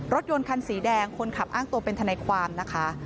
รถยนต์คันสีแดงคนขับอ้างตัวเป็นทนายความนะคะ